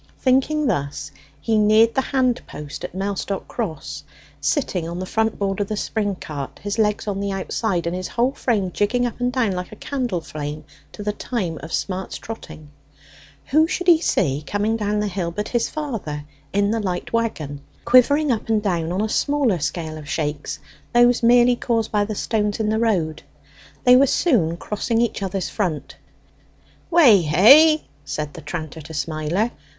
Thinking thus as he neared the handpost at Mellstock Cross, sitting on the front board of the spring cart his legs on the outside, and his whole frame jigging up and down like a candle flame to the time of Smart's trotting who should he see coming down the hill but his father in the light wagon, quivering up and down on a smaller scale of shakes, those merely caused by the stones in the road. They were soon crossing each other's front. "Weh hey!" said the tranter to Smiler.